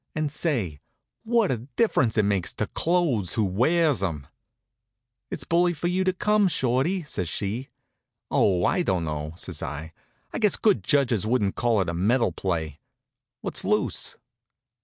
And say, what a difference it makes to clothes who wears 'em! "It's bully of you to come, Shorty," says she. "Oh, I don't know," says I. "I guess good judges wouldn't call it a medal play. What's loose?"